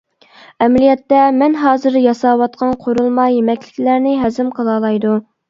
ئەمەلىيەتتە مەن ھازىر ياساۋاتقان قۇرۇلما يېمەكلىكلەرنى ھەزىم قىلالايدۇ.